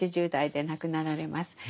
８０代で亡くなられます。